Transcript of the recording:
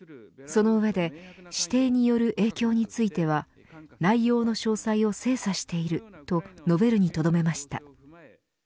その上で指定による影響については内容の詳細を精査していると述べるにとどめました。